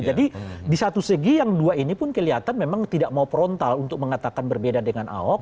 jadi di satu segi yang dua ini pun kelihatan memang tidak mau frontal untuk mengatakan berbeda dengan ahok